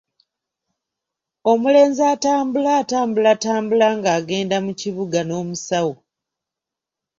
Omulenzi atambula atambulatambula ng'agenda mu kibuga n'omusawo.